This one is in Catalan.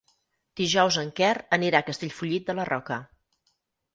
Dijous en Quer anirà a Castellfollit de la Roca.